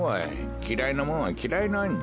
きらいなもんはきらいなんじゃ。